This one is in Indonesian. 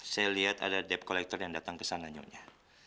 saya lihat ada debt collector yang datang ke sana nyonya